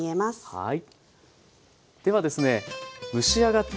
はい。